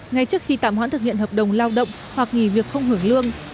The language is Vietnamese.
ngay trước khi tạm hoãn thực hiện hợp đồng lao động hoặc nghỉ việc không hưởng lương